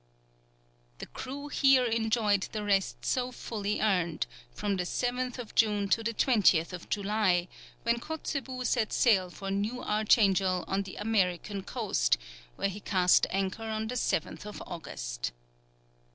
The crew here enjoyed the rest so fully earned, from the 7th June to the 20th July, when Kotzebue set sail for New Archangel on the American coast, where he cast anchor on the 7th August.